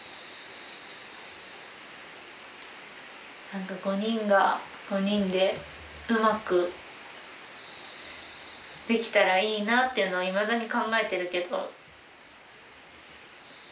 何か５人が５人でうまくできたらいいなっていうのはいまだに考えてるけど。